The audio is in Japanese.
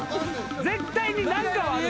絶対に何かはある。